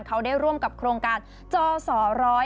เขาได้ร่วมกับโครงการจอส๑๐